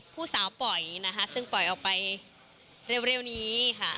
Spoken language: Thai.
ผู้สาวปล่อยนะคะซึ่งปล่อยออกไปเร็วนี้ค่ะ